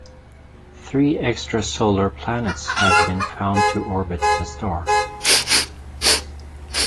Three extrasolar planets have been found to orbit the star.